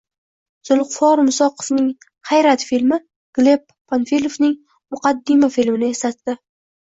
Zulfiqor Musoqovning «Hayrat» filmi Gleb Panfilovning «Muqaddima» filmini eslatdi